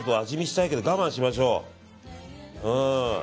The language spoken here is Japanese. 味見したいけど我慢しましょう。